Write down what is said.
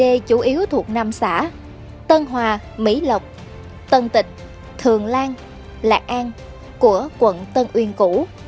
chiến khu d chủ yếu thuộc năm xã tân hòa mỹ lộc tân tịch thường lan lạc an của quận tân uyên củ